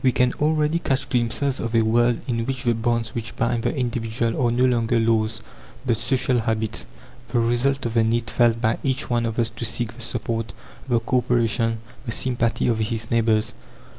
We can already catch glimpses of a world in which the bonds which bind the individual are no longer laws, but social habits the result of the need felt by each one of us to seek the support, the co operation, the sympathy of his neighbours.